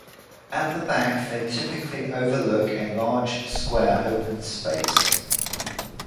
At the back they typically overlook a large square open space.